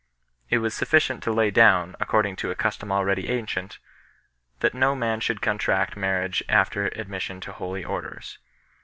It was sufficient to lay down, according to a custom already ancient, that no man should contract marriage after ad mission to Holy Orders 3